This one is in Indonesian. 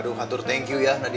aduh kantor thank you ya nadia